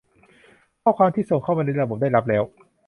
ข้อความที่ส่งเข้ามาในระบบได้รับแล้ว